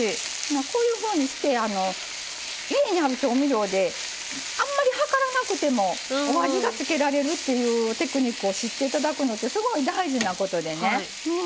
こういうふうにして家にある調味料であんまり量らなくてもお味が付けられるっていうテクニックを知って頂くのってすごい大事なことでね。